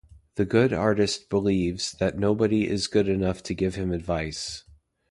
The good artist believes that nobody is good enough to give him advice.